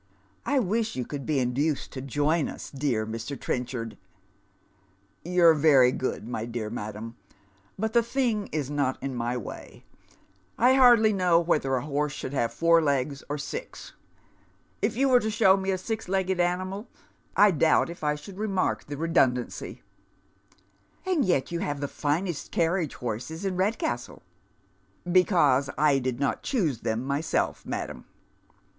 " I "wish you could be induced to join us, dear ilr. Trenchard." *' You're veiy good, my dear madam, but the thing is not in my way. I hardly know whether a horse should have four legs or sis. If you were to show me a six legged animal I doubt if I should remark the redundancy." " And yet you have the finest carriage horses in Eedcastle." " Because I did not choose them myself, madam."